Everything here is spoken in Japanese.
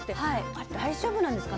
あれ大丈夫なんですか？